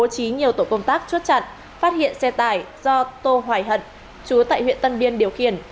trí nhiều tổ công tác chốt chặn phát hiện xe tải do tô hoài hận chú tại huyện tân biên điều khiển